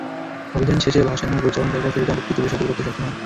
অভিযান শেষে ভাসান্যার পরিচালনাকারীরা ফের যন্ত্রটি তুলে সচল করতে সক্ষম হয়।